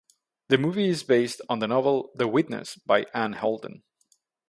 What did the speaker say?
The movie is based on the novel "The Witnesses" by Anne Holden.